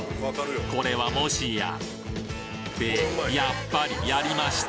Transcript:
これはもしやってやっぱりやりました